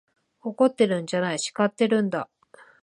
怒ってるんじゃない、叱ってるんだ。